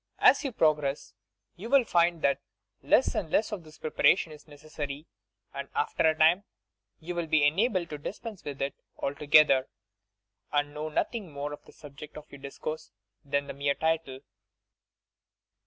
As you progress you will find that less and less of this preparation is necessary, and after a time you will be enabled to dis pense with it altogether, and know nothing more of the subject of your discourse than the mere title.